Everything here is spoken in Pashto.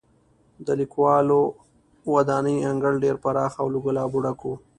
د لیکوالو ودانۍ انګړ ډېر پراخه او له ګلابو ډک و.